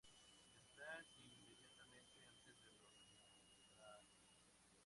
Están inmediatamente antes de los molares.